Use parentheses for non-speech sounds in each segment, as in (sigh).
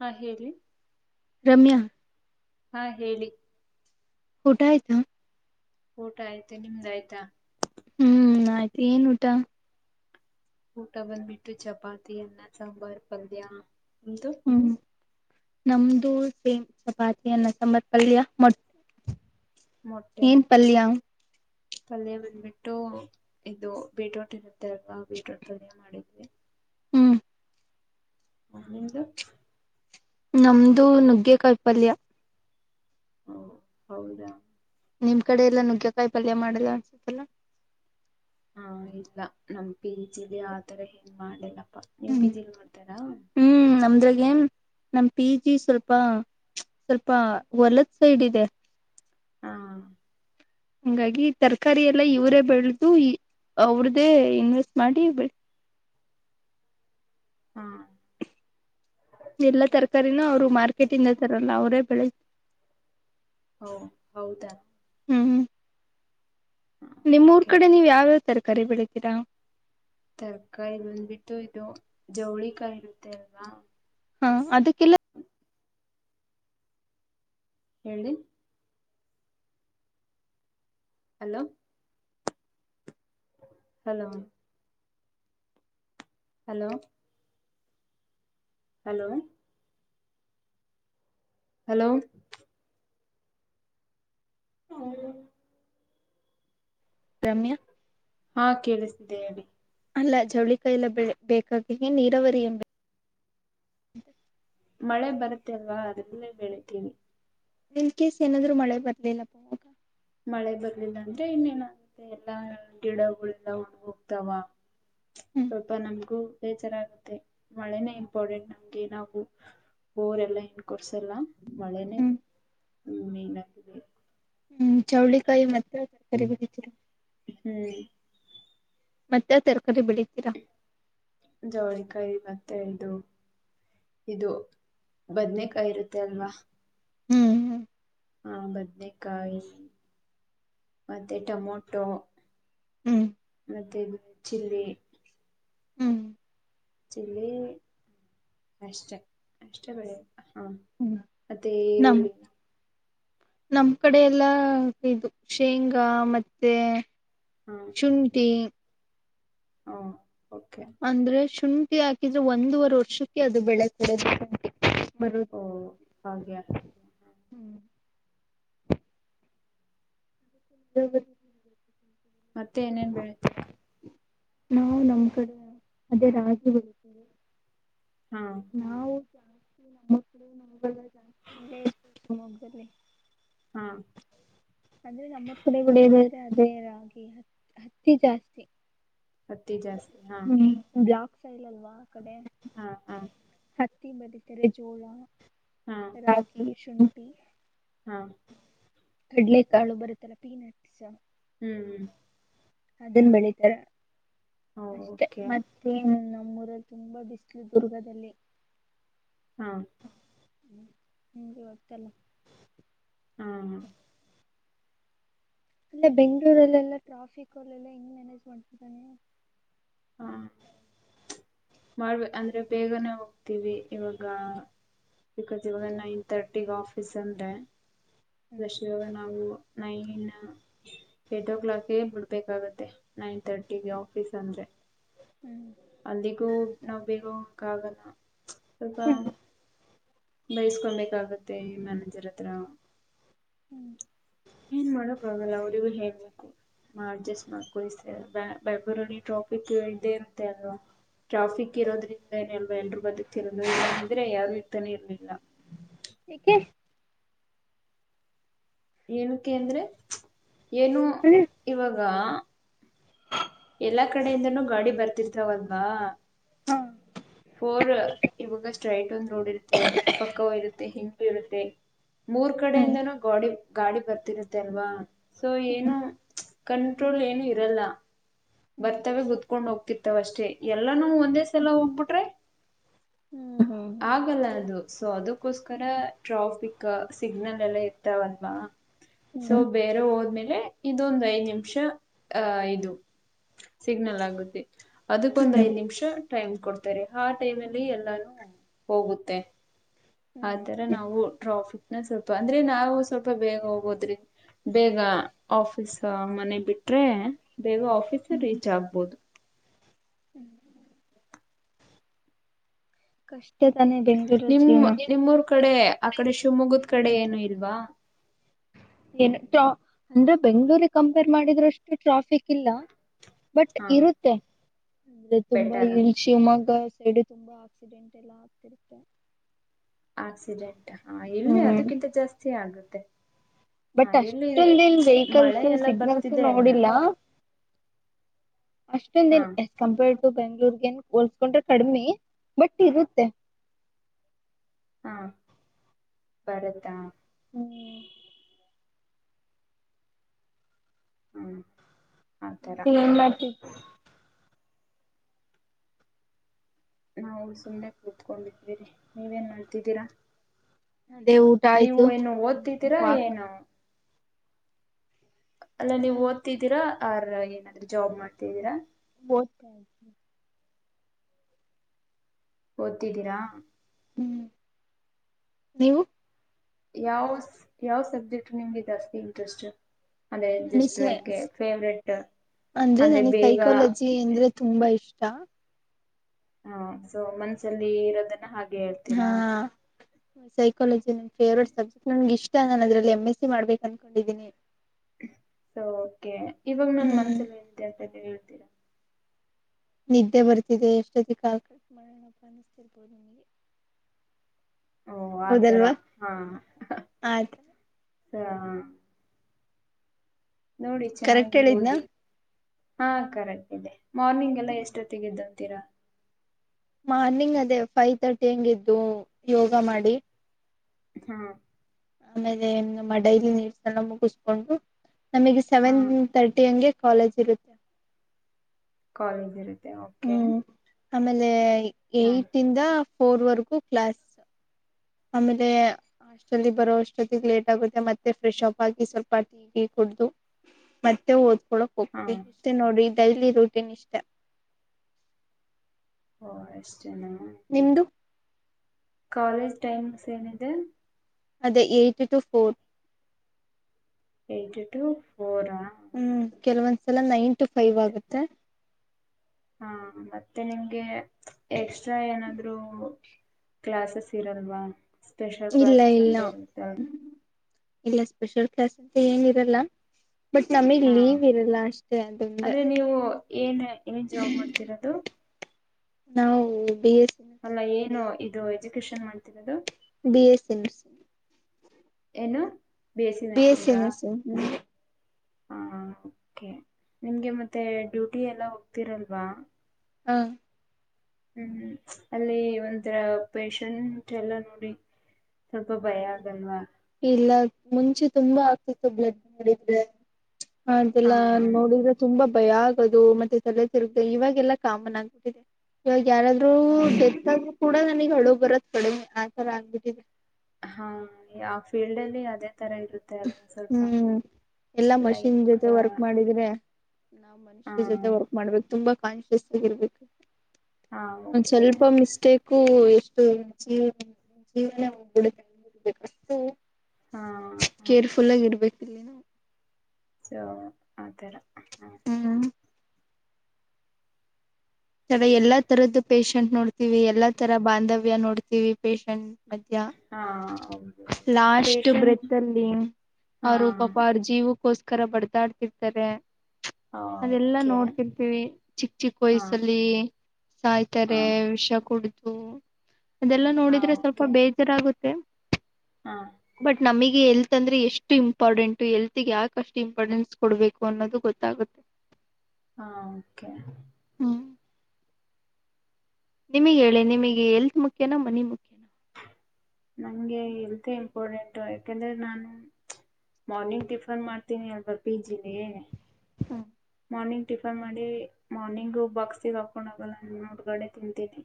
ಹಾ ಹೇಳಿ ರಮ್ಯಾ ಹಾ ಹೇಳಿ ಹೋಡಾಯದು ಊಟ ಆಯ್ತ ನಿಮ್ದಾಯ್ತಾ ಹ್ಮ್ ಆಯ್ತು ಏನ್ ಊಟ ಊಟ ಬಂದ್ಬಿಟ್ಟು ಚಪಾತಿಿಯನ್ನ ಸಾಂಬಾರ್ು ಪಲ್್ಯ ನಿಮ್ಡು ಹ್ಮ್ ನಮ್ದು ಸೇಮ್ ಚಪಾತಿ ಅನ್ನ ಸಾಂಬಾರ ಪಲ್ಯ ಮೊಟ್ಟೆ ಮೊಟ್ಟೆ ಏನ್ ಪಲ್ಯ ಪಲ್ಯ ಬಂದ್ಬಿಟ್ಟು ಇದು ಬೀಟ್ರೂಟ್ ಇರುತ್ತಲ್ವಾ ಬೀಟ್ರೂಟ್ ಪಲ್ಯ ಮಾಡಿದ್ವಿ ಹ್ಮ್ ಹ ನಿಮ್ದ ನಮ್ದು ನುಗ್ಗೆ ಕಾಯಿ ಪಲ್ಯ ಹ ಹೌದಾ ನಿಮ್ ಕಡೆ ಎಲ್ಲ ನುಗ್ಗೆಕಾಯಿ ಪಲ್ಯ ಮಾಡಲ್ಲ ಅನ್ಸುತ್ತಲ್ಲ ಹಾ ಇಲ್ಲ ನಮ ಪಿ ಜಿ ಲಿ ಆತರ ಏನ್ ಮಾಡಲ್ಲ ನಿಮ್ ಹ್ಮ್ ಪಿಜಿ ಮಾಡ್ತಾರ ನಮ ಪಿ ಜಿ ಸ್ವಲ್ಪ ಸ್ವಲ್ಪ ಹೊಲತ್ ಸೈಡ್ ಇದೆ ಹಾ ಹಂಗಾಗಿ ತರಕಾರಿ ಎಲ್ಲ ಇವರೇ ಬೆಳೆದುು ಅವ್ರ್ದೇ ಇನ್ವೆಸ್ಟ್ ಮಾಡಿ ಬೆ ಹಾ ಎಲ್ಲ ತರಕಾರಿನೂ ಅವರು ಮಾರ್ಕೆಟಿಂದ ತರಲ್ಲ ಅವ್ರೇ ಕಳ ಹೌ ಹೌದ ಹೂ ಹೂ ನಿಮ್ಮೂಊರ್ ಓಕೆ ಕಡೆ ನೀವ್ ಯಾವಾವ ತರಕಾರಿ ಬೆಳಿತೀರಾ ತರ್ಕಾರಿ ಬಂದ್ಬಿಟ್ಟು ಇದು ಜವಳಿ ಕಾಯಿರುತ್ತೆ ಅಲ್ವಾ ಹಾ ಅದಕ್ಕೆಲ್ಲ ಹೇಳಿ hello hello hello hello hello how Ramya ಹಾ ಕೇಳಿಸ್ತಿದೆ ಹೇಳಿ ಅಲ್ಲ ಜವಳಿ ಕಾಯಲ್ಲ ಬೆ ಬೇಕಾಗಿ ನೀರಾವರಿ ಎಂಬ ಮಳೆ ಬರುತ್ತೆಲ್ವಾ ಅದನ್ನೇ ಬೆಳಿತೀವಿ ಇನ್ಕೇಸ್ ಏನಾದ್ರು ಮಳೆ ಬರ್ಲಿಲ್ಲಪ್ಪ ಅವಾಗ ಮಳೆ ಬರ್ಲಿಲ್ಲ ಅಂದ್ರೆ ಇನ್ನೇನಾಗುತ್ತೆ ಎಲ್ಲಾ ಗಿಡಗಳೆಲ್ಲಾ ಉದರಿ ಹೋಗ್ತಾವ ಹ್ಮ್ ಸ್ವಲ್ಪ ನಮ್ಗೂ ಬೇಜಾರಾಗುತ್ತೆ ಮಳೆನೇ ಇಂಪಾರ್ಟೆಂಟ್ ನಮ್ಗೆ ನಾವು ಬೋರೆಲ್ಲ ಏನ್ ಕೊರ್ಸಲ್ಲ ಮಳೆನೇ ಹ್ಮ್ ಮೇನ್ ಆಗಿದೆ ಹ್ಮ್ ಚೌಳಿಕಾಯಿ ಮಾತ್ತ ತರಕಾರಿ ಬೆಳೆತೀವಿ ಮತ್ತೆ (unintelligible) ಜವ್ಲಿ ಕರಿ ಬೇಕ್ ಮತ್ತೆ ಇದು ಇದು ಬದನೇಕಾಯಿ ಇರುತ್ತೆ ಅಲ್ವಾ ಹ್ಮ್ ಹ್ಮ್ ಹಾ ಬದನಕಾಯಿ ಮತ್ತೆ ಟೊಮೊಟೊ ಹ್ಮ್ ಹ್ಮ್ ಮತ್ತೆ (unintelligible) ಚಿಲ್ಲಿ ಹ್ಮ್ ಚಿಲ್ಲಿ-ಲ್ಲಿ ಅಷ್ಟೆ ಅಷ್ಟೆ ಬೆಳ್ಯದ್ ಹಾ ಹ್ಮ್ ಮತ್ತೇ ನಮ್ ಈರುಳ್ಳಿ ನಮ್ ಕಡೆ ಎಲ್ಲಾ ಇದು ಶೇಂಗಾ ಮತ್ತೆ ಶುಂಠಿ ಹವ್ ಅಂದ್ರೆ ಶ್ ಶುಂಠಿ ಹಾಕಿದ್ರೆ ಒಂದೂವರ್ ವರ್ಷುಕ್ಕೆ ಅದು ಬೆಳೆ ಕೊಡೋದು ಶುಂಠಿ ಬರೋದು ಓ ಹಾಗೆ ಹಾಗ ಹ್ಮ್ ಹ ಮತ್ತೆ ಏನೇನ್ ಬೆಳಿತೀರಾ ನಾವು ನಮ್ ಕಡೆ ಅದೇ ರಾಗಿ ಬೆಳೀತೀವಿ ಹಾಂ ನಾವು ಜಾಸ್ತಿ ನ ನಮಗೆಲ್ಲ ಜಾಸ್ತಿಿಯ ಇರ್ತ ಮೊಗದಲ್ಲಿ ಹಾಂ ಅಂದ್ರೆ ನಮ್ಮೂರು ಕಡೆ ಬಿಡದು ಅದೇ ರಾಗಿ ಹತ್ತಿ ಜಾಸ್ತಿ ಹತ್ತಿ ಜಾಸ್ತಿ ನಾ ಸೈಲಲ್ವಾ ಕಡೆ ಹತ್ತ ಂಬತರೆ ಜೋಳ ರಾಗಿ ಶು ಬಿ ಹಾ ಕಡ್ಲೆ ಕಾಳು ಬರುತ್ತಲ್ಲ ಪೀನಟ್ಸ್ ಹ್ಮ್ ಹ್ಮ್ ಅದನ್ ಬೆಳಿತಾರ ಅಷ್ಟೇ. ಓಕೆ ಮತ್ತೇನ್ ಅನ್ನೋದು? ನಮ್ಮೂರಲ್ ತುಂಬಾ ಬಿಸ್ಲು ದುರ್ಗದಲ್ಲಿ ಹಾ. ನಿಮ್ಗೆ ಗೊತ್ತಲ್ಲ. ಹಾ. ಇಲ್ಲ ಬೆಂಗಳೂರಲ್ಲೆಲ್ಲ ಟ್ರಾಫಿಕ್ ಅಲ್ಲೆಲ್ಲ ಹೆಂಗ್ ಮ್ಯಾನೇಜ್ ಮಾಡ್ತೀರಾ ನೀವು? ಹ್ಮ್ಮ್. ಮಾಡ್ಬೇಕ್ ಅಂದ್ರೆ ಬೇಗನೆ ಹೋಗ್ತೀವಿ ಇವಾಗ ಬಿಕಾಸ್ ಇವಾಗ ನೈನ್ ತರ್ಟಿಗ್ ಆಫೀಸ್ ಅಂದ್ರೆ ಹ್ಮ್ (unintelligible) ನಾವು ನೈನ್ ಏಟ್ ಓ ಕ್ಲಾಕ್ ಗೆ ಬಿಡ್ಬೇಕಾಗುತ್ತೆ ನೈನ್ ತರ್ಟಿಗೆ ಆಫೀಸ್ ಅಂದ್ರೆ ಹ್ಮ್ಮ್. ಹೂಂ! ನಾವ್ ಬೇಗ ಹೋಗೋಕಾಗಲ್ಲ. (unintelligible) ಬೈಸ್ಕೊಮ್ಬೇಕಾಗುತ್ತೆ ನಿಮ್ ಮ್ಯಾನೇಜರ್ ಹತ್ರ. ಹ್ಮ್ಮ್. ಇವಾಗಲ್ಲ ಅವ್ರಿಗೂ ಹೇಳ್ಬೇಕು ಮಾ ಅಡ್ಜಸ್ಟ್ ಮಾಡ್ಕೊಳಿ ಸರ್ ಬೆಂಗ್ಳೂರಲ್ಲಿ ಟ್ರಾಫಿಕ್ ಇದ್ದೆ ಇರುತ್ತೆ ಅಲ್ವಾ ಟ್ರಾಫಿಕ್ ಇರೋದ್ರಿಂದಾನೆ ಅಲ್ವಾ ಎಲ್ರು ಬದುಕ್ತಿರೋದು ಇಲ್ಲಂದಿದ್ರೆ ಯಾರು ಇರ್ತಾನೆ ಇರ್ ಇಲ್ಲ. ಏಕೆ? ಏನುಕ್ಕೆ ಅಂದ್ರೆ? ಏನು ಹ್ಮ್ ಇವಾಗ ಎಲ್ಲಾ ಕಡೆಯಿಂದನೂ ಗಾಡಿ ಬರ್ತಿರ್ತಾವಲ್ವಾ? ಹ್ಮ್ಮ್. ಫೋರ್ ಇವಾಗ ಸ್ಟ್ರೈಟ್ ಒಂದ್ ರೋಡ್ ಇರುತ್ತೆ ಪಕ್ಕವ ಇರುತ್ತೆ ಹಿಂಪ್ ಇರುತ್ತೆ ಮೂರ್ ಹ್ಮ್ ಕಡೆಯಿಂದನೂ ಗಾಡಿ ಗಾಡಿ ಬರ್ತಿರುತ್ತೆ ಅಲ್ವಾ ಸೊ ಏನು ಕಂಟ್ರೋಲ್ ಏನು ಇರಲ್ಲ. ಹ್ಮ್ ಬರ್ತವೆ ಗುದ್ಕೊಂಡ್ ಹೋಗ್ತಿರ್ ಇಂತವಷ್ಟೇ ಎಲ್ಲಾನು ಒಂದೇ ಸಲ ಹೋಗ್ಬಿಟ್ರೆ? ಹ್ಮ್ ಹ್ಮ್ ಆಗಲ್ಲ ಅದು ಸೋ ಅದು ಅದಕ್ಕೋಸ್ಕರ ಟ್ರಾಫಿಕ್ ಸಿಗ್ನಲ್ ಎಲ್ಲ ಇರ್ತಾವಲ್ವಾ? ಸೋ ಹ್ಮ್ ಬೇರೆ ಹೋದ್ಮೇಲೆ ಲೇ ಇದೊಂದ್ ಐದ್ ನಿಮಿಷ ಆ ಐದು ಸಿಗ್ನಲ್ ಆಗುತ್ತೆ ಅದಕ್ಕೊಂದ್ ಹ್ಮ್ ಐದ್ ನಿಮಿಷ ಟೈಮ್ ಕೊಡ್ (unintelligible) ಆ ಟೈಮ್ ಅಲ್ಲಿ ಎಲ್ಲಾನು ಹೋಗುತ್ತೆ. ಆ ತರ ಹ್ಮ್ ನಾವು ಟ್ರಾಫಿಕ್ ನ ಸ್ವಲ್ಪ ಅಂದ್ರೆ ನಾವು ಸ್ವಲ್ಪ ಬೇಗ ಹೋಗೋದ್ರಿಂದ ಬೇಗ ಆಫೀಸ್ ಮನೆ ಬಿಟ್ರೆ ಬೇಗ ಆಫೀಸ್ ಹ್ಮ್ ರೀಚ್ ಆಗ್ಬೋದು. (unintelligible) ಬೆಂಗಳೂರಲ್ಲಿ ನಿಮ್ ಜೀವನ ನಿಮ್ಮೂರ್ ಕಡೆ ಆ ಕಡೆ ಶಿವಮೊಗ್ಗದ್ ಕಡೆ ಏನು ಇಲ್ವಾ? (unintelligible) ಅಂದ್ರೆ ಬೆಂಗ್ಳೂರಿಗ್ ಕಂಪೇರ್ ಮಾಡಿದ್ರೆ ಅಷ್ಟು ಟ್ರಾಫಿಕ್ ಇಲ್ಲ. ಬಟ್ ಹಾ ಇರುತ್ತೆ ಬೆಟರ್ (unintelligible) ಶಿವಮೊಗ್ಗ ಸೈಡ್ ತುಂಬಾ ಆಕ್ಸಿಡೆಂಟ್ ಎಲ್ಲ ಆಗ್ತಿರುತ್ತೆ.. ಆಕ್ಸಿಡೆಂಟ್ ಹಾ ಇಲ್ಲಿ ಹ್ಮ್ ಅದಕ್ಕಿಂತ ಜಾಸ್ತಿ ಆಗುತ್ತೆ (unintelligible) ಹ ಬಟ್ ಎಲ್ಲಿ ಅಷ್ಟೊಂಧೇನ್ ಮಳೆ ವೆಹಿಕಲ್ಸ್ ಎಲ್ಲ ಸಿಗ್ನಲ್ಸ್ ಬರ್ತಿದೆ ಅಲ್ಲ ನೋಡಿಲ್ಲ ಅಷ್ಟೊಂದ ಹಾ ದಿನ ಎಸ್ ಕಂಪೇರ್ಡ.. ಬೆಂಗ್ಳೂರ್ಗ ಏನ್ ಹೋಲ್ಸ್ಕೊಂಡ್ರೆ ಕಡಿಮೆ ಬಟ್ ಇರುತ್ತೆ ಹಾ ಬರತ್ತಾ ಹ್ಮ್ ಹ್ಮ ಮತ್ತೆ ಆತರ ಏನ್ ಮಾಡ್ತಿದ್ದೆ ನಾವು ಸುಮ್ನೆ ಕೂತ್ಕೊಂಡಿದ್ವಿರಿ ನೀವೇನ್ ಮಾಡ್ತಿದ್ದೀರಾ ಅದೇ ಊಟ ನೀವು ಆಯ್ತು ಏನು ಓದ್ತಿದ್ದೀರಾ ವಾಕ್ ಏನು ಅಲ್ಲ ನೀವು ಓದ್ತಿದ್ದೀರಾ ಆರ ಏನಾದ್ರೂ ಜಾಬ್ ಮಾಡ್ತಿದ್ದೀರಾ ಹ್ಮ ಓದತಿದ್ದೀರಾ ಹ್ಮ್ ನೀವು ಯಾವ ಯಾವ ಸಬ್ಜೆಕ್ಟ್ ನಿಮಗೆ ಜಾಸ್ತಿ ಇಂಟ್ರೆಸ್ಟ್ ಅಂದ್ರೆ (unintelligible) ಜಸ್ಟ್ ಲೈಕ್ ಫೇವ್ರೆಟ್ ಅಂದ್ರೆ ನನಗೆಗ್ ಸೈಕಾಲಜಿ ಅಂದ್ರೆ ತುಂಬಾ ಇಷ್ಟ ದಾ ಹಾ ಸೊ ಮನ್ಸಲ್ಲಿ ಇರೋದನ್ನ ಹಾಗೆ.. ಹಾ ಹೇಳ್ತೀರಾ ಸೈಕಾಲಜಿ ನ ಫೇವ್ರೇಟ್ ಸಬ್ಜೆಕ್ಟ್ ನನ್ಗೆ ಇಷ್... ಇ ನಾನು ಅದ್ರಲ್ಲಿ ಎಂ ಎಸ್ ಸಿ ಮಾಡ್ಬೇಕು ಅನ್ಕೊಂಡಿದ್ದೀನಿ ಸೋ ಓಕೆ ಇವಾಗ ನನ್ ಹ್ಮ್ ಮನ್ಸಲ್ಲಿ ಎಂತ ಅಂತಿ.. ತಿರಾ ನಿದ್ದೆ ಬರ್ತಿದೆ ಎಷ್ಟೊತ್ತ ಕಾಲ್ ಕಟ್ ಮಾಡನ ಅಪ್ಪ ಅನ್ಸ್ಟಿಬೋರ್ಬದ ನಿಮಗೆ ಓ ಆತರ ಹೌದಲ್ವಾ ಹಾ ಆಯ್ತು ಸ ನೋಡಿ ಕರೆಕ್ಟ್ ಚನಾಗಿ ಹೇಳಿದ್ನಾ ಓದಿ ಹಾ ಕರೆಕ್ಟ್ ಇದೆ ಮಾರ್ನಿಂಗ್ ಎಲ್ಲ ಎಷ್ಟೊತಿಗಿಧೆ ತಿರ ಮಾರ್ನಿಂಗ್ ಅದೇ ಫೈವ್ ತರ್ಟಿ ಹಾಂಗ್ ಎದ್ದು ಯೋಗ ಮಾಡಿ.. ಹಾ ಆಮೇಲೆ ನಮ್ಮ ಡೈಲಿ ನೀಡ್ಸ್ ಎಲ್ಲ ಮುಗಿಸಕೊಂಡು ನಮಗೆ ಹಾ ಸೆವೆನ್ ತರ್ಟಿ ಹಂಗೆ.. ಕಾಲೇಜ್ ಇರುತ್ತೆ ಕಾಲೇಜ ಇರು.. ಯ ಓಕೆ ಅಮೇಲೆ ಹಾ ಏತ್ ಇಂದ ಫೋರ್ ವರ್ಗು ಕ್ಲಾಸ್ ಅಮೇಲೆ ಹಾಸ್ಟಲ್ಲಿಗ್ ಬರೋ ಅಷ್ಟೊತ್ತಿಗೆ ಲೇಟ್ ಆಗುತ್ತೆ ಮತ್ತೆ ಫ್ರೆಶ್ ಅಪ್ ಆಗಿ ಸ್ವಲ್ಪ ಟಿ ಗಿ ಕುಡ್ದು ಮತ್ತೆ ಒದ್ ಕೊಳಕ್ ಹೋಗ್ ಹಾ (unintelligible) ನೋಡಿ ಡೈಲಿ ರೋಟಿನ್ ಇಷ್ಟ. ಹೊ ಅಷ್ಟೇನಾ ನಿಮ್ದು ಕಾಲೇಜ್ ಟೈಮಿಂಗ್ಸ್ ಏನಿದೆ. ಅದೇ eight to four. Eight to four ಆ. ಹ್ಮ್ ಕೆಲವೊಂದ್ಸಲ. ನೈನ್ ಟು ಫೈವ್ ಮತ್ತೆ ಆಗುತ್ತೆ. ಹಾ ಮತ್ತೆ ನಿಮ್ಗೆ. ಎಕ್ಸ್ಟ್ರಾ ಏನಾದ್ರು. ಕ್ಲಾಸಸ್ ಇರಲ್ವಾ. ಸ್ಪೆಷಲ್ ಇಲ್ಲ ಕ್ಲಾಸಸ್ ಇಲ್ಲ ಅಂತ ಇರುತ್ತೆ. ಇಲ್ಲ ಸ್ಪೆಷಲ್ ಕ್ಲಾಸ್ ತೆ ಏನ್ ಇರಲ್ಲ. ಬಟ್ ನಮಿಗ್ ಹಾ ಲೀವ್ ಇರಲ್ಲ ಅಷ್ಟೇ ಅದೊಂದೆ. ಅಂದ್ರೆ ನೀವು ಏನ್ ಏನ್ ಜಾಬ್ ಮಾಡ್ತಿರೋದು ನಾವು ಬಿ ಎಸ್ ಅಲ್ಲ ಏನು. ಇದು ಎಜುಕೇಷನ್ ಮಾಡ್ತಿರೋದು. ಬಿ ಎಸ್ ಎನ್ ಏನು. B S C nursing. ಹೆ ನಿಮ್ಗೆ ಮತ್ತೆ ಡ್ಯೂಟಿ ಎಲ್ಲ ಹೋಗ್ತಿರಲ್ವಾ. ಹಾ. ಹ್ಮ್ ಅಲ್ಲಿ ಒಂಥರ ಪೆಷಂಟ್ ಎಲ್ಲ ನೋಡಿ ಸ್ವಲ್ಪ ಭಯ ಆಗಲ್ವಾ. ಇಲ್ಲ ಮುಂಚೆ ತುಂಬಾ ಆಗ್ತಿತ್ತು ಬ್ಲಡ್ ಮಾಡಿದ್ರೆ. ಹ ಹಾ ಅಂತೆಲ್ಲಾ ನೋಡಿದ್ರೆ ತುಂಬಾ ಭಯ ಆಗೋದು ಮತ್ತೆ ತಿರ್ಗತೆ ಇವಾಗೆಲ್ಲ ಕಾಮನ್ ಆಗ್ಬಿಟ್ಟಿದೆ ಇವಾಗ್ ಬ ಯಾರಾದ್ರೂ ಹ ಡೆತ್ತಗ್ ಕೂಡ ನನಿಗ್ ಹಳು ಬರದ್ ಕಡಿಮ್ ಆ ತರ ಆಗ್ಬಿಟ್ಟಿದೆ. ಹಾಂ ಆ ಫೀಲ್ಡ್ ಅಲ್ಲಿ ಅದೇ. ತರ ಇರುತ್ತೆ ಅಲ್ವಾ ಸ್ವಲ್ಪ ಹ್ಮ್ ಎಲ್ಲಾ ಮಷಿನ್ ಲೈಕ್ ಹ ಜೊತೆ ವರ್ಕ್ ಮಾಡಿದ್ರೆ. ನಾವ್ ಮನುಷ್ಯರ್ ಜೊತೆ ವಾರ್ಕ್ ಮಾಡ್ಬೇಕು ತುಂಬಾ ಕಾನ್ಶಿಯಸ್ ಆಗಿರ್ಬೇಕ್. ಹಾ ಒಂದ್ ಓಕೆ ಸ್ವಲ್ಪ ಮಿಸ್ಟೇಕು ಎಷ್ಟು. ಜೀವನ ಒಬೇಕು ಅಷ್ಟು (inaudible) ಹಾ ಹಾ ಕೇರ್ಫುಲ್ ಆಗಿ ಇರ್ಬೇಕು ಇಲ್ಲಿನು ಸೊ ಆ ತರ ಹ್ಮ್ ತರ ಎಲ್ಲಾ ತರದ್ದು ಪೇಶಂಟ್ ನೋಡ್ತಿೀವಿ ಎಲ್ಲಾ ತರ ಬಾಂಧವ್ಯ ನೋಡ್ತಿೀವಿ ಪೇಶಂಟ್ ಮಧ್ಯ್ಯಾ ಹಾ ಹೌದು ಹೌದು ಲಾಸ್ಟ್ ಪೇಶಂಟ್ ಬ್ರೆತ್ ಅಲ್ಲಿ ಹಾ ಅವರು ಪಾಪ ಅವ್ರ ಜೀವಕ್ಕೋಸ್ಕರ ಕರ ಬಡ್ತಾಡ್ತಿರ್ತಾರೆ ಅದೆಲ್ಲಾ ಓಕೆ ನೋಡ್ತಿರ್ತೀವಿ ಚಿಕ್ಕ ಚಿಕ್ಕ ಹಾ ವಯ್ಸ ಹಾ ಸಾಯ್ತಾರೆ ವಿಷ ಕುೂಡ ಹ ಅದೆಲ್ಲಾ ಹಾ ನೋಡಿದ್ರೆ ಸ್ವಲ್ಪ ಓಕೆ ಬೇಜಾರಾಗುತ್ತೆ ಹಾ ಬಟ್ ನಮಗ ಎಲ್ ಂದ್ರೆ ಎಷ್ಟು ಇಂಪಾರ್ಟೆಂಟ್ು ಎಲ್ತ್ಗೆ ಯಾಕಷ್ಟು ಇಂಪಾರ್ಟೆನ್ಸ್ ಕೊಡ್ಬೇಕು ಅನ್ನೋದು ಗೊತ್ತಾಗುತ್ತೆ ಹಾ ಕೆ ನಿಮಗೆ ಹೇಳೆ ನಿಮಗೆ ಎಲ್ತ್ ಮುಖ್ಯನಾ ಮನಿ ಮುಖ್ಯನಾ ನಂಗೆ ಎಲ್ತ್ ಇಂಪಾರ್ಟೆಂಟ್ ಯಾಕೆಂದ್ರೆ ನಾನು ಮಾರ್ನಿಂಗ್ ಟಿಫನ್ ಮಾಡ್ತೀನಿ ಅಲ್ವಾ ಪೀಜಲಿ ಹಾ ಮಾರ್ನಿಂಗ್ ಟಿಫನ್ ಮಾಡಿ ಮಾರ್ನಿಂಗ್ ಬಾಕ್ಸ ಹಾಕೊಂಡ್ ಹೋಗಲ್ಲಗಡೆ ತಿಂತೀನಿ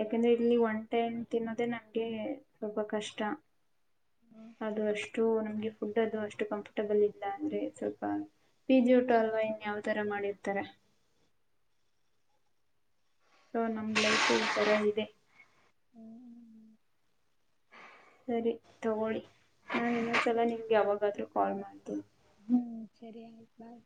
ಯಾಕಂದ್ರೆ ಇಲ್ಲಿ ಒನ್ ಟೈಮ್ ತಿನ್ನೋದೆೇ ನಮಗೆ ಸ್ವಲ್ಪ ಕಷ್ಟ ಅದು ವರ್ಷ ನಮಗೆ ಫುಡ್ ಅದು ಅಷ್ಟು ಕಂಫರ್ಟಬಲ್ ಇಲ್ಲ ಅಂದ್ರೆ ಸ್ವಲ್ಪ ಪ ಲ್ವಾ ಇನ್ ಯಾವ ತರ ಮಾಡಿರ್ತಾರೆ ಸೊ ನಮ್ ಲೈಫು ಈ ತರ ಇದೆ ಸರಿ ತಗೊಳ್ಳಿ ನಾನು ಇನ್ನೊಂದ್ಸಲ ನಿಮ್ಗೆ ಯಾವಾಗಾದ್ರೂ ಕಾಲ್ ಮಾಡ್ತೀನಿ ಹ್ಮ್ ಸರಿಯ್ ಬಾಯ್